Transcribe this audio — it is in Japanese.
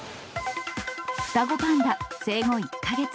双子パンダ、生後１か月。